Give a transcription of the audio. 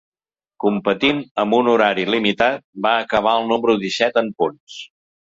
Competint amb un horari limitat, va acabar el número disset en punts.